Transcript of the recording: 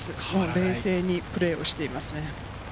冷静にプレーをしていますね。